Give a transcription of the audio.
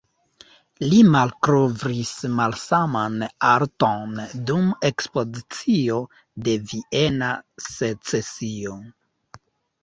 Li malkovris malsaman arton dum ekspozicio de Viena Secesio.